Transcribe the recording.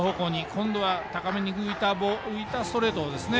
今度は高めに浮いたストレートですね。